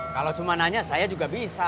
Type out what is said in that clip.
kalau cuma nanya saya juga bisa